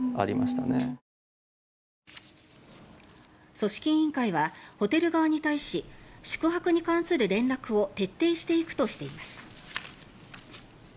組織委員会はホテル側に対し宿泊に関する連絡を徹底していくとしています。